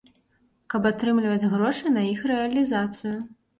Каб атрымліваць грошы на іх рэалізацыю.